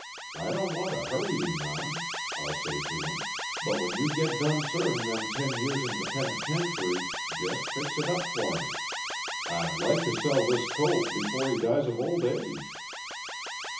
I don't want to hurry you none,' I'll say to him, 'but when you get done servin' them ten years in the pen'tentiary, just fix it up for me. I'd like to sell this colt before he dies of old age."